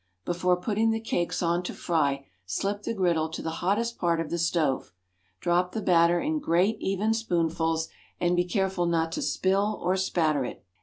Before putting the cakes on to fry, slip the griddle to the hottest part of the stove. Drop the batter in great, even spoonfuls, and be careful not to spill or spatter it.